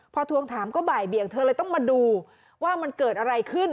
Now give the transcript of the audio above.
พอทวงถามก็บ่ายเบียงเธอเลยต้องมาดูว่ามันเกิดอะไรขึ้น